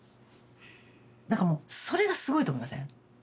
だからそれがすごいと思いません？